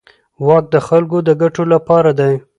واک د خلکو د ګټو لپاره دی.